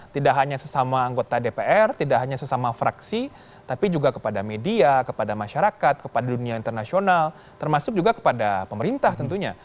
tidak hanya sesama anggota dpr tidak hanya sesama fraksi tapi juga kepada media kepada masyarakat kepada dunia internasional termasuk juga kepada pemerintah tentunya